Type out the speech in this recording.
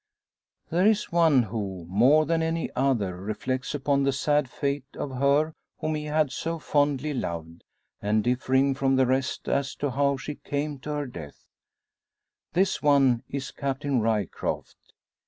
There is one who, more than any other, reflects upon the sad fate of her whom he had so fondly loved, and differing from the rest as to how she came to her death this one is Captain Ryecroft.